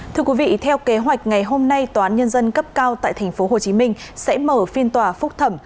thưa quý vị theo kế hoạch ngày hôm nay tòa án nhân dân cấp cao tại tp hcm sẽ mở phiên tòa phúc thẩm